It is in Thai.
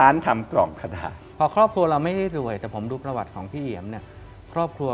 ยินดีต้อนรับพี่เหนียมสู่รายการไทยราชท็อค